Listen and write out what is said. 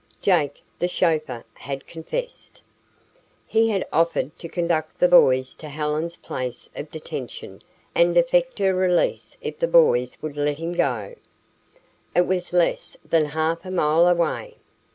Jake, the chauffeur, had confessed. He had offered to conduct the boys to Helen's place of detention and effect her release if the boys would let him go. It was less than half a mile away.